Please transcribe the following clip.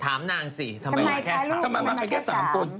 ถามนางสิทำไมเขามาคันแค่๓คน